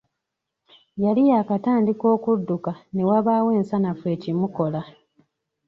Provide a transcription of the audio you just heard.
Yali yaakatandika okudduka ne wabaawo ensanafu ekimukola.